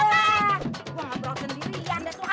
gue gak bawa sendiri iya tuhan